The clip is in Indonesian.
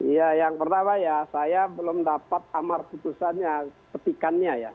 ya yang pertama ya saya belum dapat amar putusannya petikannya ya